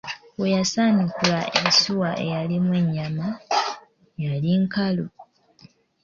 We yasaanukula ensuwa eyalimu ennyama, yali nkalu!